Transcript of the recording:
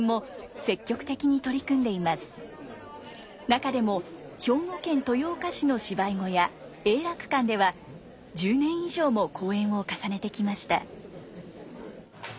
中でも兵庫県豊岡市の芝居小屋永楽館では１０年以上も公演を重ねてきました。